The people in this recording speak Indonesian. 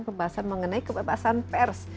pembahasan mengenai kebebasan pers